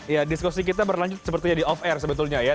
ya diskusi kita berlanjut sepertinya di off air sebetulnya ya